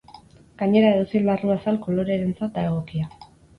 Gainera, edozein larruazal kolorerentzat da egokia.